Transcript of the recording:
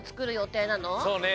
そうね。